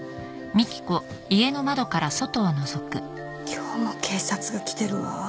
今日も警察が来てるわ